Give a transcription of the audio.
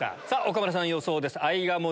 岡村さん予想です。